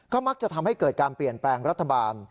มักจะทำให้เกิดการเปลี่ยนแปลงรัฐบาล